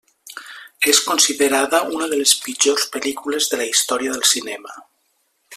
És considerada una de les pitjors pel·lícules de la història del cinema.